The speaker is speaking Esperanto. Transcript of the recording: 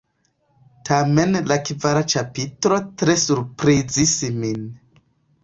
Tamen la kvara ĉapitro tre surprizis min.